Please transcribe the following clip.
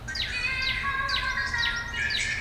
景天点地梅为报春花科点地梅属下的一个种。